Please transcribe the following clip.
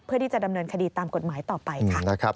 เพื่อที่จะดำเนินคดีตามกฎหมายต่อไปค่ะ